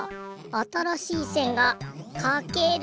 あたらしいせんがかける。